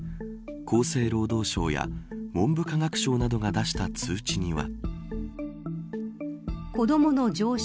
厚生労働省や文部科学省などが出した通知には。